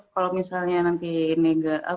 kalau misalnya nanti negatif